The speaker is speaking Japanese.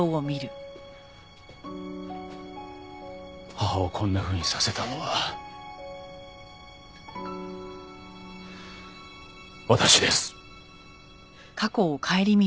母をこんなふうにさせたのは私です。